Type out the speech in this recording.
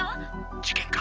「事件か？